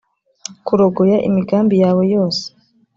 kurogoya imigambi yawe yose